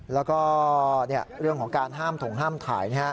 แล้วก็เรื่องของการห้ามถงห้ามถ่าย